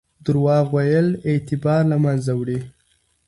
درواغ ویل اعتبار له منځه وړي.